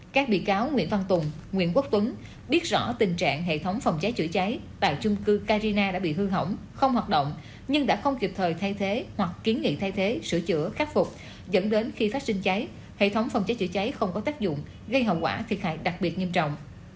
các bị cáo nguyễn văn tùng nguyễn quốc tuấn biết rõ tình trạng hệ thống phòng cháy chữa cháy tại chung cư carina đã bị hư hỏng không hoạt động nhưng đã không kịp thời thay thế hoặc kiến nghị thay thế sửa chữa khắc phục dẫn đến khi phát sinh cháy hệ thống phòng cháy chữa cháy không có tác dụng gây hậu quả thiệt hại đặc biệt nghiêm trọng